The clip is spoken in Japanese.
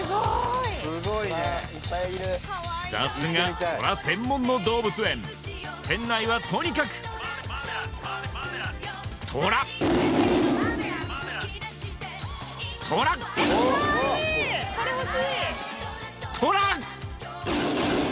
さすがトラ専門の動物園店内はとにかくトラトラトラ！